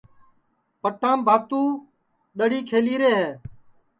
پٹام بھاتُو دؔڑی کھیلی رے ہے